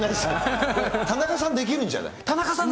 田中さん、できるんじゃない？